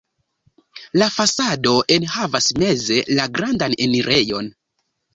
La fasado enhavas meze la grandan enirejon.